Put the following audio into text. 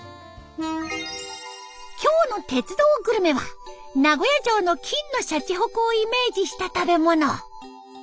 今日の「鉄道グルメ」は名古屋城の金のしゃちほこをイメージした食べ物。